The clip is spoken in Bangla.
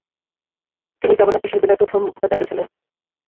তিনি জগন্নাথ বিশ্ববিদ্যালয়ের প্রথম উপাচার্য ছিলেন।